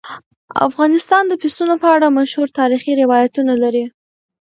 افغانستان د پسونو په اړه مشهور تاریخي روایتونه لري.